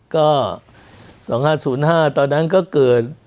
ก็๒๕๐๕ตอนนั้นก็เกิด